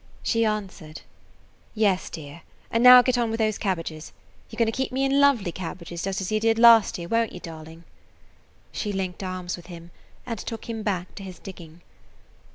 She answered: "Yes, dear. And now get on with those [Page 93] cabbages. You 're going to keep me in lovely cabbages, just as you did last year, won't you, darling?" She linked arms with him and took him back to his digging.